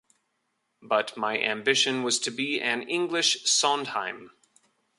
But my ambition was to be an English Sondheim.